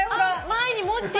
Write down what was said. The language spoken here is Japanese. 前に持ってるよ。